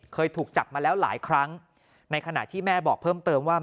เคยถูกจับมาแล้วหลายครั้งในขณะที่แม่บอกเพิ่มเติมว่า